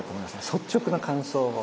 率直な感想を。